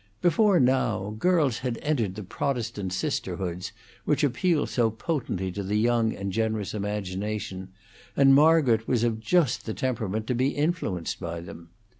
Before now, girls had entered the Protestant sisterhoods, which appeal so potently to the young and generous imagination, and Margaret was of just the temperament to be influenced by them.